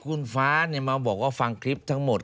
คุณฟ้ามาบอกว่าฟังคลิปทั้งหมด